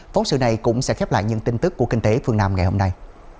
phóng sự này cũng sẽ khép lại những tin tức của kinh tế phương nam ngày hôm nay